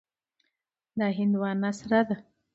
دا هندوانه سره ده.